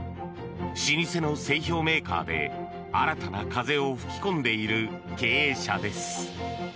老舗の製氷メーカーで新たな風を吹き込んでいる経営者です。